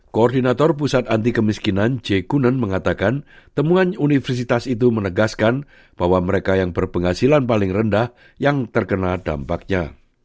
koordinator pusat anti kemiskinan j kunon mengatakan temuan universitas itu menegaskan bahwa mereka yang berpenghasilan paling rendah yang terkena dampaknya